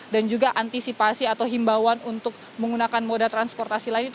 dan juga antisipasi atau himbawan untuk menggunakan moda transportasi lain